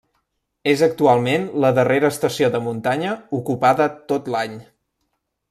És actualment la darrera estació de muntanya ocupada tot l'any.